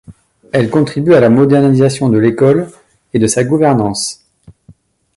Elle contribue à la modernisation de l'école et de sa gouvernance.